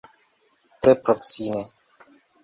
Tre proksime.